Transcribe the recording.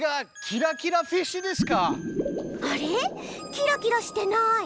キラキラしてない！